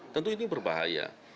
tentu ini berbahaya